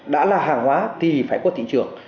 đã là hàng hóa thì phải qua thị trường